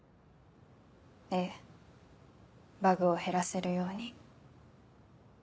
ええバグを減らせるように。